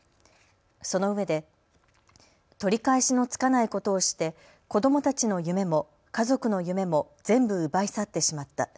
そのうえで取り返しのつかないことをして子どもたちの夢も家族の夢も全部、奪い去ってしまった。